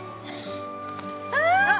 あっ！